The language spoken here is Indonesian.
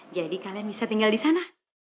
jadi kalian bisa tinggal di sana